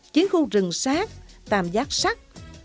chiến khu rừng sát tàm giác sắt